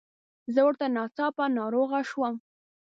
زه ورته ناڅاپه ناروغه شوم.